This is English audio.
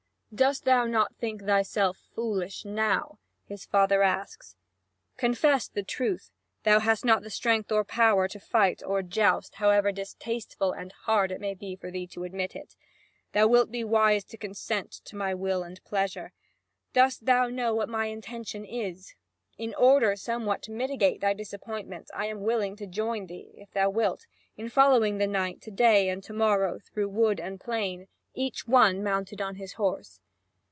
"Dost thou not think thyself foolish now?" his father asks; "confess the truth: thou hast not the strength or power to fight or joust, however distasteful and hard it may be for thee to admit it. Thou wilt be wise to consent to my will and pleasure. Dost thou know what my intention is? In order somewhat to mitigate thy disappointment, I am willing to join thee, if thou wilt, in following the knight to day and to morrow, through wood and plain, each one mounted on his horse.